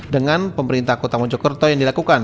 dengan pemerintah kota mojokerto yang dilakukan